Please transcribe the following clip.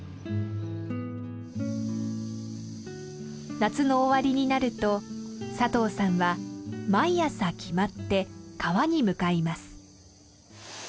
夏の終わりになると佐藤さんは毎朝決まって川に向かいます。